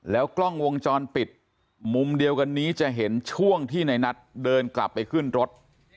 กล้องวงจรปิดมุมเดียวกันนี้จะเห็นช่วงที่ในนัทเดินกลับไปขึ้นรถ